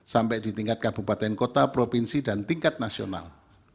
sampai di tingkat kabupaten kota provinsi dan tingkat nasional